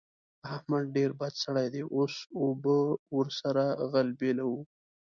احمد ډېر بد سړی دی؛ اوس اوبه ور سره غلبېلوو.